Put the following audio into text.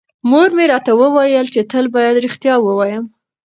مور مې راته وویل چې تل بايد رښتیا ووایم.